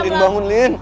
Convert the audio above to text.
bangun bangun lin